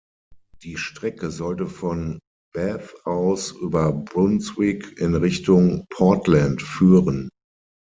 Die Strecke sollte von Bath aus über Brunswick in Richtung Portland führen.